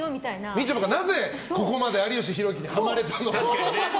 みちょぱがなぜここまで有吉弘行に好かれたのか。